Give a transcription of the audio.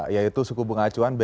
yaitu suku bunga acuan